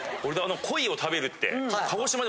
鯉を食べるって。